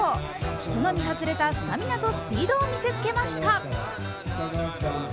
人並みはずれたスタミナとスピードを見せつけました。